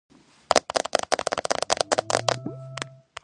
თავიდანვე დაწინაურდა ნანა ალექსანდრია, რომელმაც ზედიზედ ექვსი პარტია მოიგო.